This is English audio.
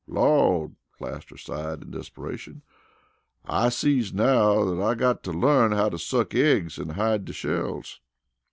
"Lawd!" Plaster sighed in desperation. "I sees now dat I'm got to learn how to suck eggs an' hide de shells."